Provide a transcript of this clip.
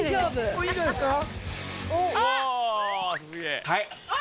これいいんじゃないっすか？